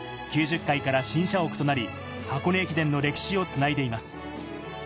９０回から新社屋となり箱根駅伝の歴史をつないでいます。